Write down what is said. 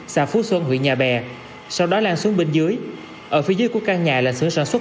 xã phú xuân huyện nhà bè sau đó lan xuống bên dưới ở phía dưới của căn nhà là xưởng sản